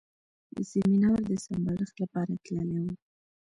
د سیمینار د سمبالښت لپاره تللی و.